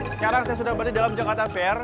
sekarang saya sudah berada dalam jakarta fair